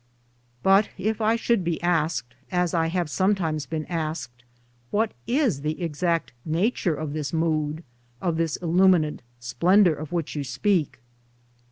But if I should be asked — as I have sometimes been asked — What is the exact nature of this mood, of this illuminant splendour, of which you speak